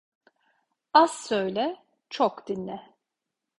Az söyle, çok dinle.